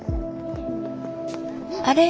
あれ？